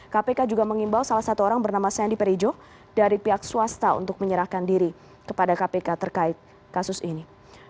kpk juga mengimbau salah satu orang bernama sandy perijo dari pihak swasta untuk menyerahkan diri kepada kpk terkait kasus ini